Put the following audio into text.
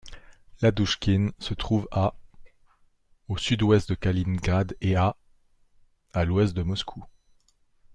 Ladouchkine se trouve à au sud-ouest de Kaliningrad et à à l'ouest de Moscou.